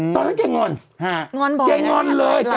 นายบอกว่ามีการแยกคนจนคนรวยอย่างเนี้ยคะท่าน